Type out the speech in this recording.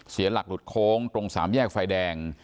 เสียหลักหลุดโค้งตรงสามแยกไฟแดง